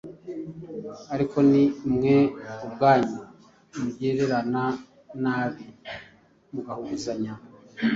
Ariko ni mwe ubwanyu mugirirana nabi, muhuguzanya,